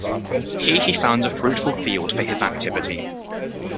Here he found a fruitful field for his activity.